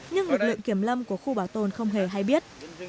nhưng lực lượng kiểm lâm của khu bảo tồn không hề hay biết